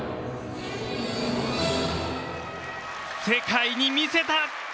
世界に見せた！